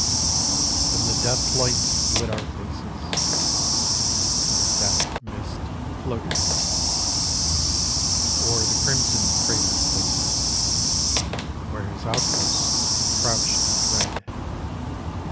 Then the death light lit our faces, And the death mist floated red O'er the crimson cratered places Where his outposts crouched in dread....